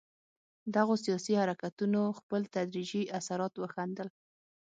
دغو سیاسي حرکتونو خپل تدریجي اثرات وښندل.